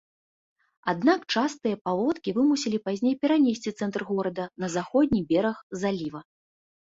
Аднак частыя паводкі вымусілі пазней перанесці цэнтр горада на заходні бераг заліва.